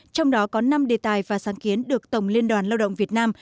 trong đó có năm đề tài và sáng kiến được tổng liên đoàn lao động việt nam